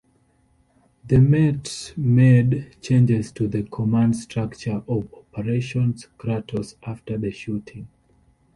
The Met made changes to the command structure of Operation Kratos after the shooting.